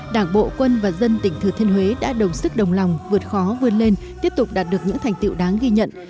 đảng bộ quân và dân tỉnh thừa thiên huế đã đồng sức đồng lòng vượt khó vươn lên tiếp tục đạt được những thành tiệu đáng ghi nhận